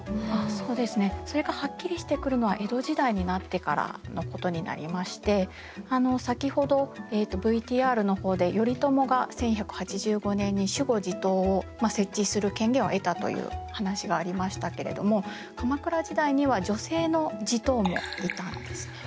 そうですねそれがはっきりしてくるのは江戸時代になってからのことになりまして先ほどＶＴＲの方で頼朝が１１８５年に守護地頭を設置する権限を得たという話がありましたけれども鎌倉時代には女性の地頭もいたんですね。